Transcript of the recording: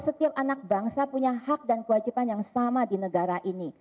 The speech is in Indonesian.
setiap anak bangsa punya hak dan kewajiban yang sama di negara ini